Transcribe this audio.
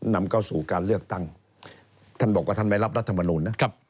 นำเข้าสู่การเลือกตั้งท่านบอกว่าท่านไม่รับรัฐมนูลนะ